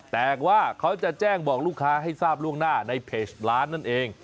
แต่ว่าเขาจะแจ้งบอกลูกค้าให้ทราบล่วงหน้าในเพจร้านนั่นเอง